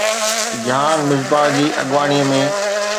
جهان مصباح جي اڳواڻي ۾